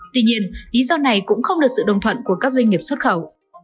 tuy nhiên lý do này cũng không được sự đồng thuận của các doanh nghiệp xuất khẩu